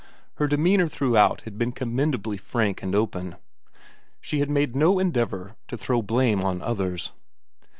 Her demeanour throughout had been commendably frank and open; she had made no endeavour to throw the blame on others.